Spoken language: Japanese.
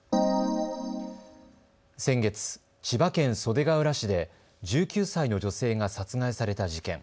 先月、千葉県袖ケ浦市で１９歳の女性が殺害された事件。